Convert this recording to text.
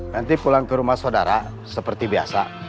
nanti pulang ke rumah saudara seperti biasa